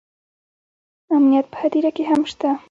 امنیت په هدیره کې هم شته